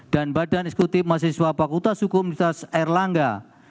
dan badan eksekutif mahasiswa fakultas hukum universitas erlangga